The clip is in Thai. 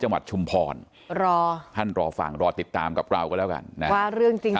จังหวัดชุมพรณ์ร่อท่านรอฟังรอติดตามกับเราก็แล้วกันคนเรื่องจริง